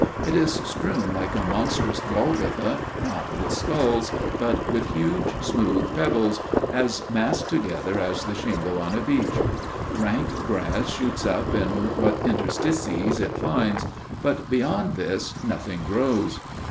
It is strewn like a monstrous Golgotha, not with skulls, but with huge smooth pebbles, as massed together as the shingle on a beach. Rank grass shoots up in what interstices it finds; but beyond this nothing grows.